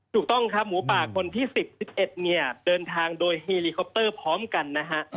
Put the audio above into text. ถูกต้องครับหมูป่าคนที่๑๐๑๑เนี่ยเดินทางโดยเฮลิคอปเตอร์พร้อมกันนะฮะ